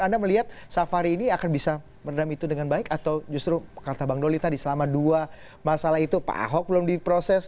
anda melihat safari ini akan bisa meredam itu dengan baik atau justru kata bang doli tadi selama dua masalah itu pak ahok belum diproses